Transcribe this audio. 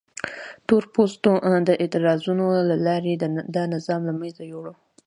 تور پوستو د اعتراضونو له لارې دا نظام له منځه یووړ.